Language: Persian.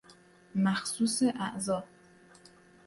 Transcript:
مخصوص اعضاء